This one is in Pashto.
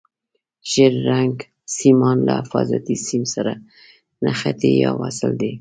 ژېړ رنګ سیمان له حفاظتي سیم سره نښتي یا وصل دي.